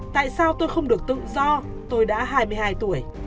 tại sao tôi không được tự do tôi đã hai mươi hai tuổi